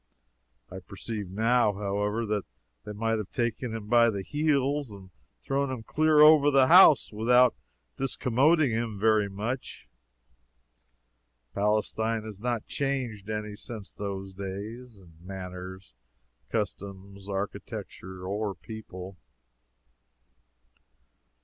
I perceive now, however, that they might have taken him by the heels and thrown him clear over the house without discommoding him very much. Palestine is not changed any since those days, in manners, customs, architecture, or people.